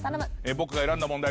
僕が選んだ問題